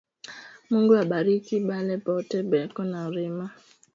Mungu abariki bale bote beko na rima